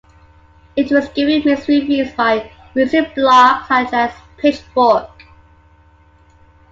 It was given mixed reviews by music blogs such as Pitchfork.